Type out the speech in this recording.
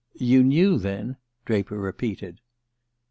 "You knew, then?" Draper repeated.